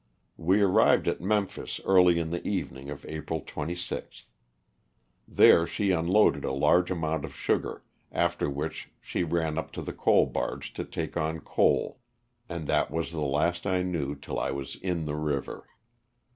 We arrived at Memphis early in the evening of April 26th. There she unloaded a large amount of sugar, after which she ran up to the coal barge to take on coal, and that was the last I knew till 1 was in the river.